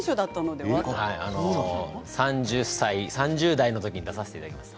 ３０代のときに出させていただきました。